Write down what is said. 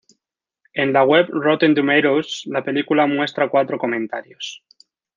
En la web "Rotten Tomatoes", la película muestra cuatro comentarios.